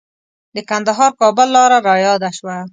د کندهار-کابل لاره رایاده شوه.